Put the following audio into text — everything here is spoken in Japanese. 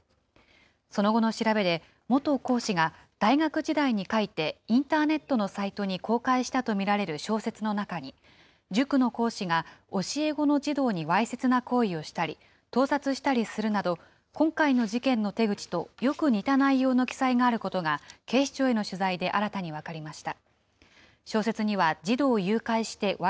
その後の調べで、元講師が大学時代に書いてインターネットのサイトに公開したと見られる小説の中に、塾の講師が教え子の児童にわいせつな行為をしたり、盗撮したりするなど、今回の事件の手口とよく似た内容の記載があることが警視庁への取材で新たに分かりました。